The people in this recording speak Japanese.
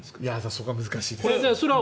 そこは難しいです。